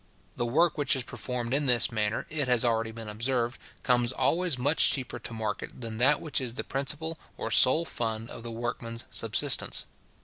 The work which is performed in this manner, it has already been observed, comes always much cheaper to market than that which is the principal or sole fund of the workman's subsistence.